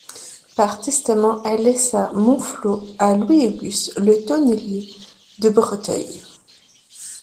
Par testament, elle laissa Montflaux à Louis-Auguste Le Tonnelier de Breteuil.